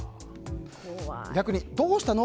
逆にどうしたの？